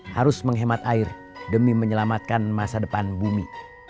harus menghemat air demi menyelamatkan masa depan bumi